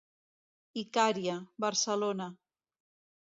Icària, Barcelona.